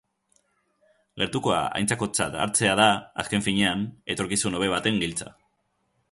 Gertukoa aintzakotzat hartzea da, azken finean, etorkizun hobe baten giltza.